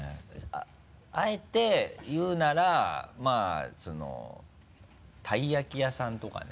あえて言うならまぁそのたい焼き屋さんとかね。